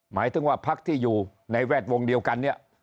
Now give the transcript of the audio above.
หมายถึงว่าพักที่อยู่ในแวดวงเดียวกันเนี่ย